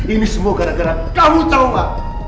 ini semua gara gara kamu trauma